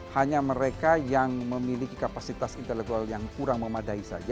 hanya mereka yang memiliki kapasitas intelektual yang kurang memadai saja